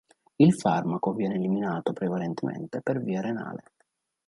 Il farmaco viene eliminato prevalentemente per via renale.